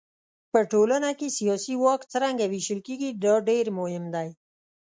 په ټولنه کې سیاسي واک څرنګه وېشل کېږي دا ډېر مهم دی.